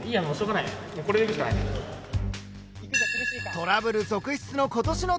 トラブル続出の今年の大会。